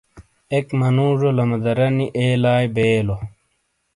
ایک منوجو لمادرینی ایلائی بئیے لو۔